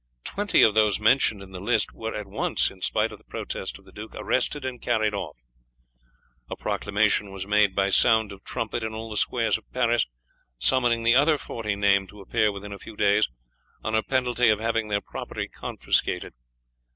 Twenty of those mentioned in the list were at once, in spite of the protest of the duke, arrested and carried off; a proclamation was made by sound of trumpet in all the squares of Paris summoning the other forty named to appear within a few days, under penalty of having their property confiscated.